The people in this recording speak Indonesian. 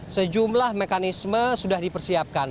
sejumlah mekanisme sudah dipersiapkan